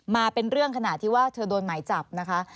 มาเป็นเรื่องขณะที่ว่าเธอโดนหมายจับนะคะ